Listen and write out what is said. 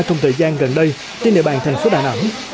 trong thời gian gần đây trên địa bàn thành phố đà nẵng